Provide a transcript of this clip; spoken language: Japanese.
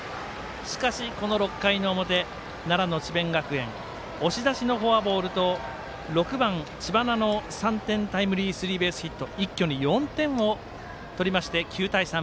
しかし、この６回の表奈良の智弁学園押し出しのフォアボールと６番、知花の３点タイムリースリーベースヒットで一挙に４点を取りまして、９対３。